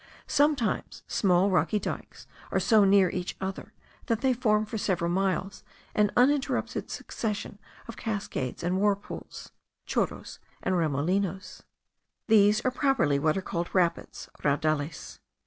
Sometimes small rocky dikes are so near each other that they form for several miles an uninterrupted succession of cascades and whirlpools (chorros and remolinos); these are properly what are called rapids (raudales).